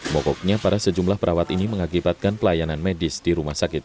mogoknya para sejumlah perawat ini mengakibatkan pelayanan medis di rumah sakit